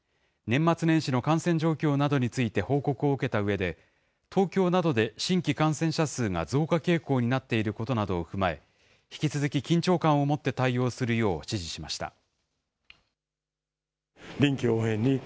年末年始の感染状況などについて報告を受けたうえで、東京などで新規感染者数が増加傾向になっていることなどを踏まえ、引き続き緊張感を持って対応するよう指示しました。